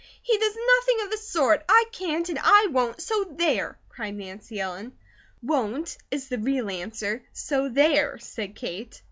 "He does nothing of the sort! I can't, and I won't, so there!" cried Nancy Ellen. "'Won't,' is the real answer, 'so there,'" said Kate.